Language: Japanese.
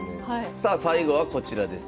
さあ最後はこちらです。